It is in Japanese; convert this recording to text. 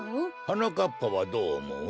はなかっぱはどうおもう？